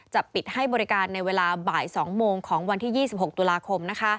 ปิดให้บริการในเวลาบ่าย๒โมงของวันที่๒๖ตุลาคม